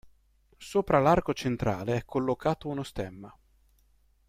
Sopra l'arco centrale è collocato uno stemma.